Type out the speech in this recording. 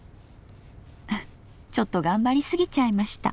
ちょっと頑張りすぎちゃいました。